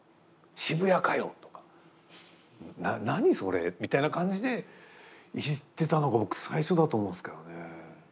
「渋谷かよ！」とか「何それ？」みたいな感じでいじってたのが僕最初だと思うんですけどね。